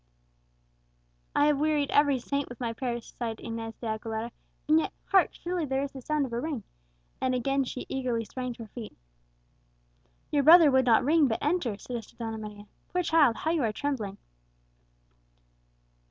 "I have wearied every saint with my prayers," sighed Inez de Aguilera, "and yet hark! surely there is the sound of a ring!" and again she eagerly sprang to her feet. "Your brother would not ring, but enter," suggested Donna Maria. "Poor child! how you are trembling!"